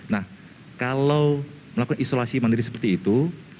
nah kalau melakukan isolasi mandiri seperti itu